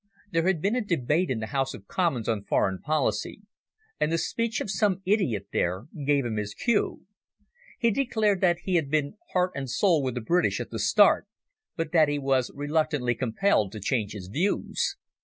There had been a debate in the House of Commons on foreign policy, and the speech of some idiot there gave him his cue. He declared that he had been heart and soul with the British at the start, but that he was reluctantly compelled to change his views.